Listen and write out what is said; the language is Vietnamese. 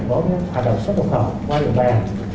có cái hoạt động xuất nhập khẩu qua đường bàn